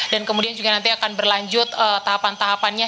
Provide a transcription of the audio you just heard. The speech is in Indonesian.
dan kemudian juga nanti akan berlanjut tahapan tahapannya